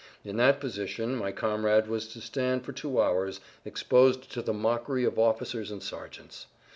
In that position my comrade was to stand for two hours, exposed to the mockery of officers and sergeants.